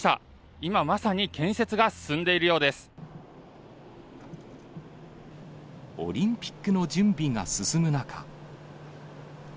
今まさに建設が進んでいるようでオリンピックの準備が進む中。